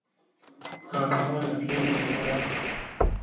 Akabanga keetooloola.